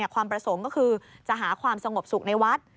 ความประสงค์ก็คือจะหาความสงบสุขในวัด